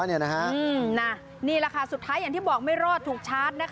นี่แหละค่ะสุดท้ายอย่างที่บอกไม่รอดถูกชาร์จ